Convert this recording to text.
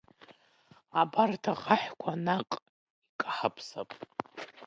Абарҭ ахаҳәқәа наҟ икаҳаԥсап?